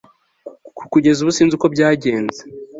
kugeza ubu sinzi uko byagenze